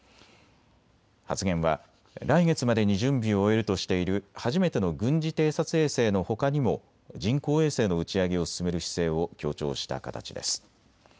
発言は来月までに準備を終えるとしている初めての軍事偵察衛星のほかにも人工衛星の打ち上げを進める姿勢を強調した形です。